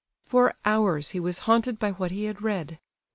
For hours he was haunted by what he had read.